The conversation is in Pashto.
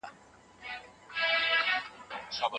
د اخلاقو روزل د کورنۍ د پلار کار دی.